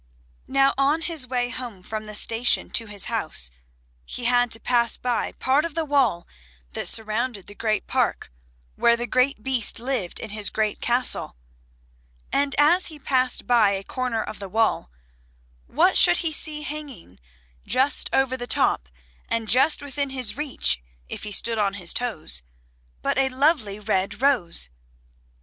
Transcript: Now on his way home from the station to his house he had to pass by part of the wall that surrounded the Great Park where the Great Beast lived in his Great Castle; and as he passed by a corner of the wall what should he see hanging just over the top, and just within his reach if he stood on his toes, but a lovely red rose.